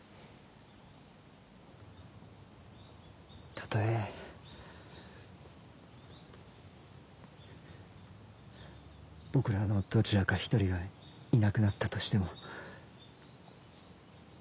たとえ僕らのどちらか一人がいなくなったとしても。